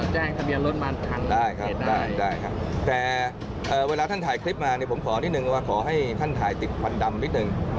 ทะเบียนรถมาทุกคันได้ครับได้ครับแต่เวลาท่านถ่ายคลิปมาเนี่ยผมขอนิดนึงว่าขอให้ท่านถ่ายติดควันดำนิดนึง